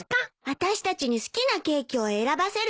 私たちに好きなケーキを選ばせるためよ。